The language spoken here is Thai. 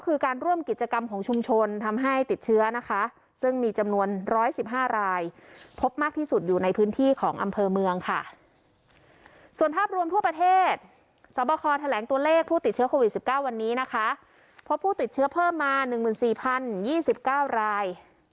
เพราะผู้ติดเชื้อเพิ่มมาหนึ่งหมื่นสี่พันยี่สิบเก้าราย